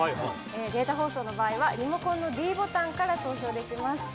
データ放送の場合は、リモコンのｄボタンから投票できます。